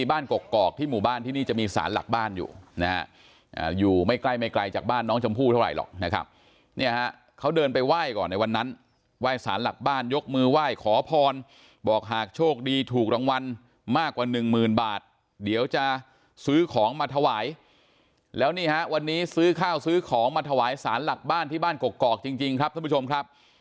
กกอกที่หมู่บ้านที่นี่จะมีสารหลักบ้านอยู่นะฮะอยู่ไม่ใกล้ไม่ไกลจากบ้านน้องชมพู่เท่าไหร่หรอกนะครับเนี่ยฮะเขาเดินไปไหว้ก่อนในวันนั้นไหว้สารหลักบ้านยกมือไหว้ขอพรบอกหากโชคดีถูกรางวัลมากกว่าหนึ่งหมื่นบาทเดี๋ยวจะซื้อของมาถวายแล้วนี่ฮะวันนี้ซื้อข้าวซื้อของมาถวายสารหลักบ้านที่บ้านกกอกจริงครับท่านผู้ชมครับ